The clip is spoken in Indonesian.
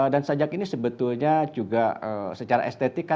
dan sajak ini sebetulnya juga secara estetik